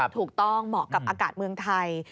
ถูกต้องเหมาะกับอากาศเมืองไทย